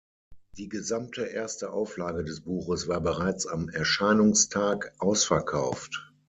Die gesamte erste Auflage des Buches war bereits am Erscheinungstag ausverkauft.